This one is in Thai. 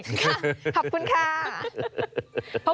ขอบคุณค่ะ